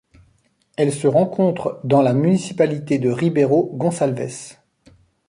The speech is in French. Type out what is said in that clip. Elle se rencontre dans la municipalité de Ribeiro Gonçalves.